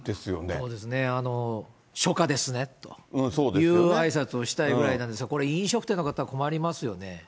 そうですね、初夏ですねというあいさつをしたいぐらいなんですが、これ、飲食店の方は困りますよね。